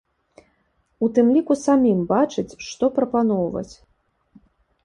У тым ліку самім бачыць, што прапаноўваць.